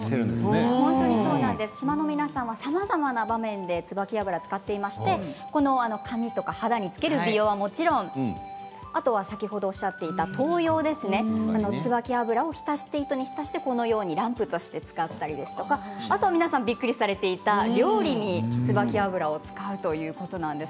島の皆さんはさまざまな場面で椿油を使っていまして髪とか肌につける美容用はもちろん先ほどおっしゃっていた灯用ですね、椿油を糸に浸してランプとして使ったりとかびっくりされていたお料理に椿油を使うということなんです。